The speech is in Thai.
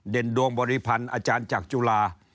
ดวงบริพันธ์อาจารย์จากจุฬา